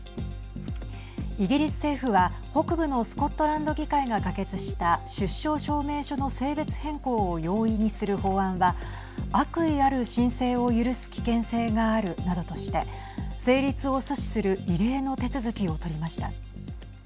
イギリス政府は北部のスコットランド議会が可決した出生証明書の性別変更を容易にする法案は悪意ある申請を許す危険性があるなどとして成立を阻止する異例の手続きを取りました。